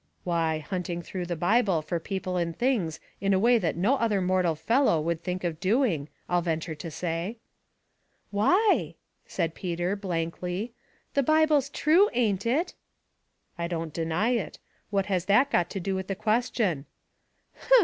" Why, hunting through the Bible for people and things in a way that no other mortal felloe would think of doing, I'll venture to say." 60 Household Puzzles, " Why ?" said Peter, blankly. " The Bible'a true, ain't it? "'' I don't deny it. What has that got to do with the question?"